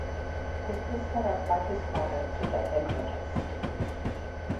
This was set up by his father to get him noticed.